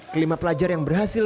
kelima pelajar yang berhasil